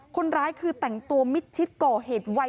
คนร้ายจึงแต่งตัวมิตชิดก่อเหตุไวมาก